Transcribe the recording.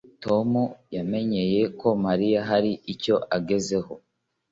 Tom yamenye ko Mariya hari icyo agezeho